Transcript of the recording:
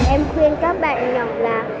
em khuyên các bạn nhỏ là